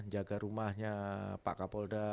jaga rumahnya pak kapolda